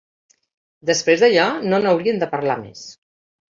Després d'allò no n'hauríem de parlar més.